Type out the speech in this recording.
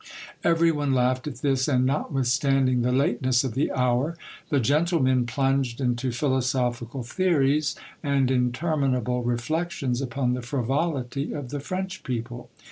Every one laughed at this, and notwithstanding the lateness of the hour, the gentlemen plunged into philosophical theories and interminable re flections upon the frivolity of the French people.